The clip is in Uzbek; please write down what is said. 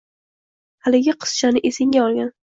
haligi qizchani esingga olgin.